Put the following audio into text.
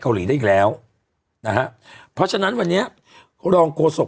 เกาหลีได้อีกแล้วนะฮะเพราะฉะนั้นวันนี้รองโฆษก